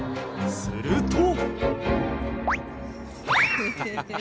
［すると］